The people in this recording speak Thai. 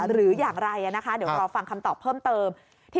หรืออย่างไรนะคะเดี๋ยวรอฟังคำตอบเพิ่มเติม